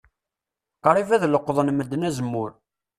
Qrib ad leqḍen medden azemmur.